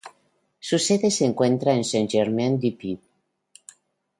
Su sede se encuentra en Saint-Germain-du-Puy.